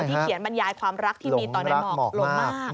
ที่เขียนบรรยายความรักที่มีตอนนั้นหลงมาก